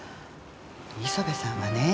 磯部さんはね